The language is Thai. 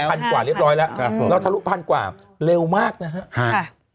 พรอยแล้วทะลุ๑๐๐๐เร็วมากนะครับ